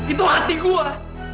itu hati gua